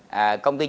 công ty chứng khoán